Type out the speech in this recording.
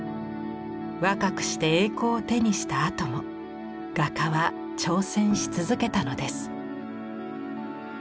若くして栄光を手にしたあとも画家は挑戦し続けたのです。